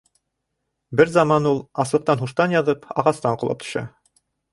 Бер заман ул, аслыҡтан һуштан яҙып, ағастан ҡолап төшә.